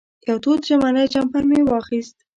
یو تود ژمنی جمپر مې واخېست.